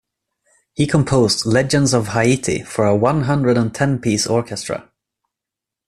He composed "Legends of Haiti" for a one hundred and ten piece orchestra.